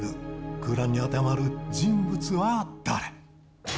空欄に当てはまる人物は誰？